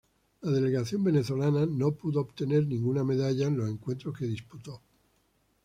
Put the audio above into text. La delegación venezolana no pudo obtener ninguna medalla en los encuentros que disputó.